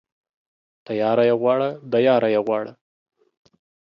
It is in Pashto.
تياره يې غواړه ، د ياره يې غواړه.